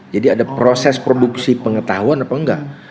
jadi ada proses produksi pengetahuan atau enggak